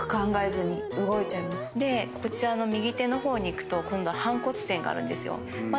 こちらの右手の方にいくと今度は反骨線があるんですよ。